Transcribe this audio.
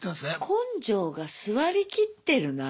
根性が据わりきってるな。